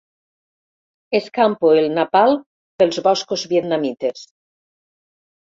Escampo el napalm pels boscos vietnamites.